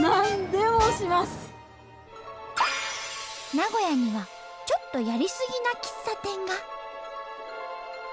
名古屋にはちょっとやりすぎな喫茶店が。